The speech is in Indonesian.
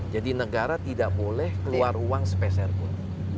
jadi negara tidak boleh keluar uang sepeserpun